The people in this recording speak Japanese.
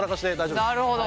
なるほど。